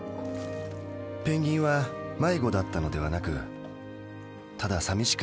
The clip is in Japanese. ペンギンは迷子だったのではなくたださみしかっただけなのだと。